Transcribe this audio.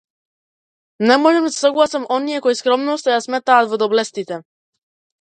Не можам да се согласам со оние кои скромноста ја сместуваат во доблестите.